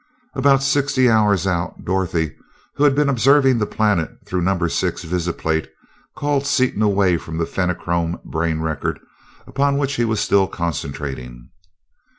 About sixty hours out, Dorothy, who had been observing the planet through number six visiplate, called Seaton away from the Fenachrone brain record, upon which he was still concentrating.